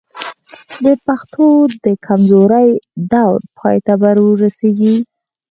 د پښتو د کمزورۍ دور دې پای ته ورسېږي.